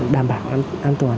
đảm bảo an toàn